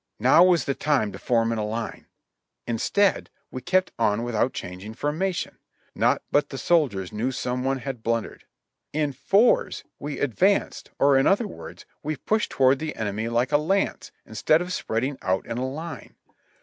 Now was the time to form in a line ! Instead, we kept on without changing formation — "not but the soldiers knew some one had blundered." In fours we advanced, or in other words, we pushed toward the enemy like a lance, instead of spreading out in a line.